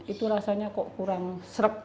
itu rasanya kok kurang serep